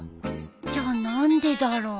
じゃあ何でだろう？